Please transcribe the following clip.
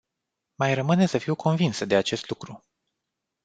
Mai rămâne să fiu convinsă de acest lucru.